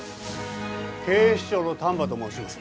警視庁の丹波と申します。